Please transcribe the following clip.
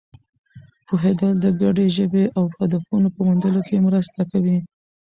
پوهېدل د ګډې ژبې او هدفونو په موندلو کې مرسته کوي.